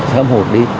sớm hụt đi